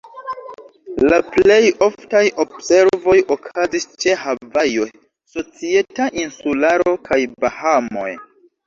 La plej oftaj observoj okazis ĉe Havajo, Societa Insularo, kaj Bahamoj.